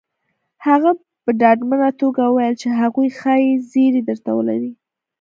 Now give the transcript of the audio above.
هغه په ډاډمنه توګه وويل چې هغوی ښايي زيری درته ولري